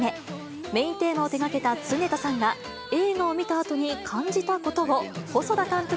メインテーマを手がけた常田さんが、映画を見たあとに感じたこと